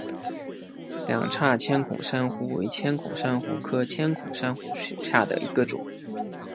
两叉千孔珊瑚为千孔珊瑚科千孔珊瑚属下的一个种。